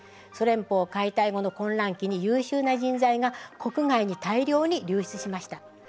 ソ連邦解体後の混乱期に優秀な人材が国外に大量に流出しました。